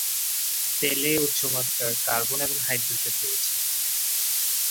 তেলে উচ্চমাত্রার কার্বন এবং হাইড্রোজেন রয়েছে।